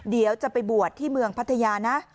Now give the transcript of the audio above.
เดี๋ยวจะไปบวชที่เมืองพัทยานะ